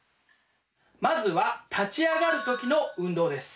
まずは立ち上がる時の運動です。